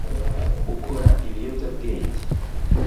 ukora ibiyobyabwenge